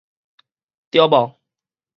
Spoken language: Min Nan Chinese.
著無